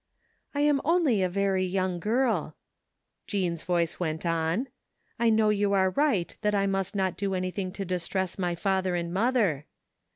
" I am only a very young girl," Jean's voice went on. " I know you are right that I must not do any thing to distress my father and mother.